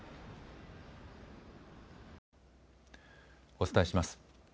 お伝えします。